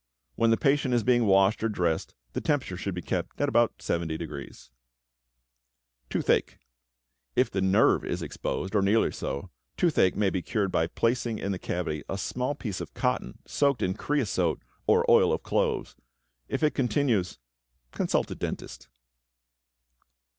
When the patient is being washed or dressed, the temperature should be kept at about 70°. =Toothache.= If the nerve is exposed, or nearly so, toothache may be cured by placing in the cavity a small piece of cotton soaked in creosote or oil of cloves. If it continues, consult a dentist.